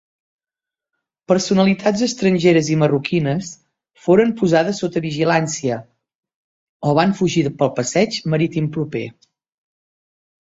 Personalitats estrangeres i marroquines foren posades sota vigilància o van fugir pel passeig marítim proper.